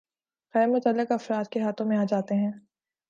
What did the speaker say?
غیر متعلق افراد کے ہاتھوں میں آجاتے ہیں